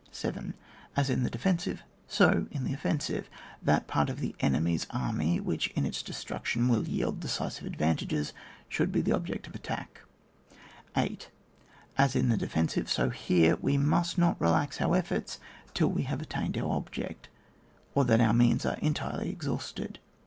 7. As in the defensive, so in the of fensive, that part of the enemy's army which, in its destruction, will yield de cisive advantages, should be the object of attack. 8. As in the defensive, so here, we must not relax our efforts till we have attained our object, or that our means are entirely exhausted.